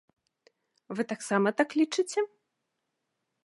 Вы таксама так лічыце?